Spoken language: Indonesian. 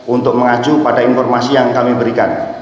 untuk mengacu pada informasi yang kami berikan